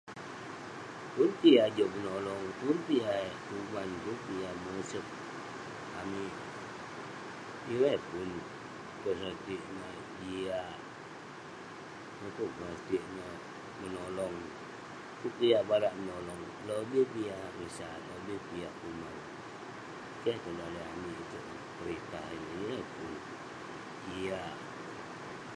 Pun kek yah juk menolong, pun peh yah eh kuman, pun peh yah eh mosep. Amik, yeng eh pun mesotik neh jiak. yeng peh mesotik neh menolong. Pun peh yah barak eh menolong, lobih peh yah sat, lobih peh yah kuman. Keh tong daleh amik itouk. Peritah ineh, yeng eh pun jiak neh.